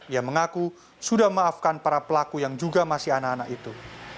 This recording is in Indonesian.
ia mengaku sudah memaafkan para pelaku yang juga masih anak anak itu